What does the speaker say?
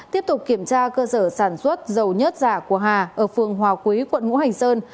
tiếp tục kiểm tra cơ sở sản xuất dầu nhất giả của hà ở phường hòa quý quận ngũ hành sơn